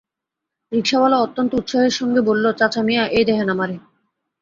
রিকশাওয়ালা অত্যন্ত উৎসাহের সঙ্গে বলল, চাচামিয়া, এই দেহেন আমারে।